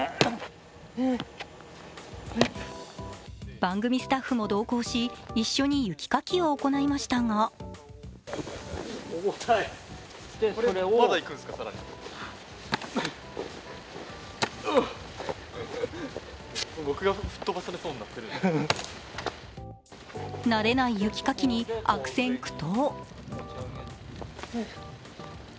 番組スタッフも同行し一緒に雪かきを行いましたが慣れない雪かきに悪戦苦闘。